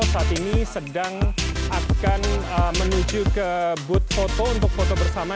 saat ini sedang akan menuju ke booth foto untuk foto bersama